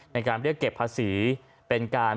ในการเรียกเก็บภาษีเป็นการ